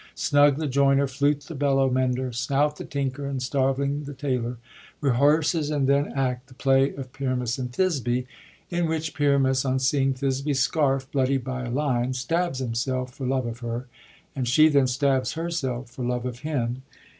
Snug the joiner. Flute the bellows mender. Snout the tinker, and Starveling the tailor— rehearse and then act the play of Pyramus and Thisbe, in which Pyramus, on seeing Thisbe's scarf bloodied by a lion, stabs himself for love of her, and she then stabs herself for love of him.